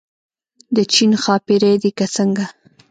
د چین ښاپېرۍ دي که څنګه.